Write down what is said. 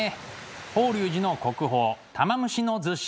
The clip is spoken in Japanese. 法隆寺の国宝「玉虫厨子」。